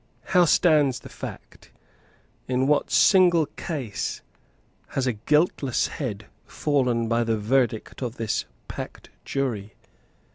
How stands the fact? In what single case has a guiltless head fallen by the verdict of this packed jury?